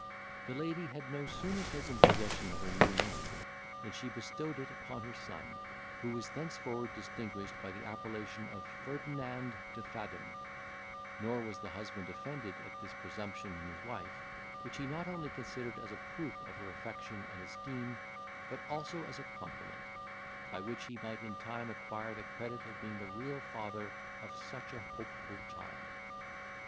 The lady had no sooner taken possession of her new name, than she bestowed it upon her son, who was thenceforward distinguished by the appellation of Ferdinand de Fadom; nor was the husband offended at this presumption in his wife, which he not only considered as a proof of her affection and esteem, but also as a compliment, by which he might in time acquire the credit of being the real father of such a hopeful child.